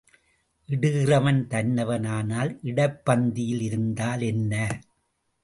இடுகிறவன் தன்னவன் ஆனால் இடைப் பந்தியில் இருந்தால் என்ன?